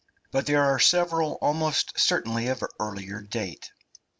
but there are several almost certainly of earlier date.